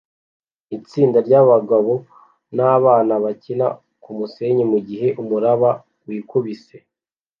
Itsinda ryabagabo nabana bakina kumusenyi mugihe umuraba wikubise